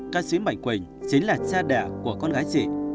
ca sĩ bảnh quỳnh chính là cha đẻ của con gái chị